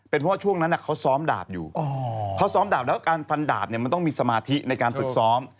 เพราะว่าช่วงนั้นเขาซ้อมดาบอยู่เขาซ้อมดาบแล้วการฟันดาบเนี่ยมันต้องมีสมาธิในการฝึกซ้อม